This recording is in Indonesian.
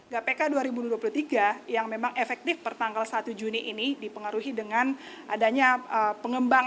gpk dua ribu dua puluh tiga yang memang efektif pertanggal satu juni ini dipengaruhi dengan adanya pengembangan